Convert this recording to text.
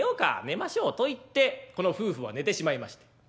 「寝ましょう」と言ってこの夫婦は寝てしまいまして。